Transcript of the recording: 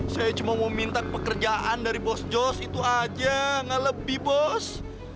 saya cuma mau minta pekerjaan dari bos jos itu aja ngelebih bos